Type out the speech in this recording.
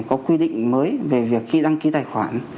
có quy định mới về việc khi đăng ký tài khoản